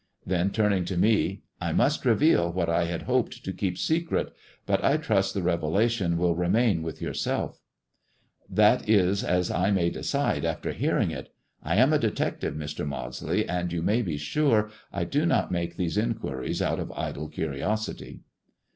Then, turning to me, " I must reveal what I had hoped to keep 262 THE GREEN STONE GOD AND THE STOCKBROKER secret, but I trust the revelation will remain with yourself." " That is as I may decide after hearing it. I am a de tective, Mr. Maudsley, and, you may be sure, I do not make these inquiries out of idle curiosity."